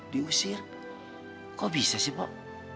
diusir kok bisa sih pak